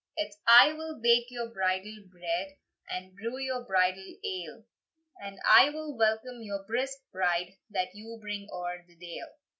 "It's I will bake your bridal bread, And brew your bridal ale, And I will welcome your brisk bride, That you bring oer the dale."